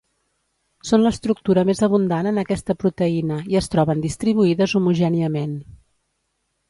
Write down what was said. Són l’estructura més abundant en aquesta proteïna, i es troben distribuïdes homogèniament.